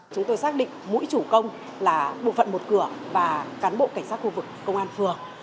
chúng tôi xác định mũi chủ công là bộ phận một cửa và cán bộ cảnh sát khu vực công an phường